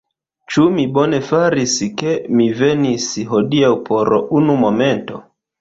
Ĉu mi bone faris, ke mi venis, hodiaŭ por unu momento?